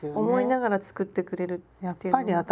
思いながら作ってくれるっていうのが。